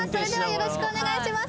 よろしくお願いします